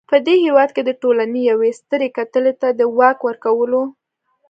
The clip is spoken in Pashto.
په دې هېواد کې د ټولنې یوې سترې کتلې ته د واک ورکولو.